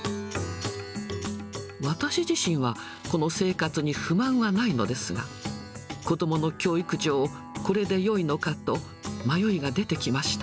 私自身は、この生活に不満はないのですが、子どもの教育上、これでよいのかと、迷いが出てきました。